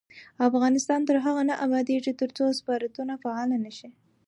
افغانستان تر هغو نه ابادیږي، ترڅو سفارتونه فعال نشي.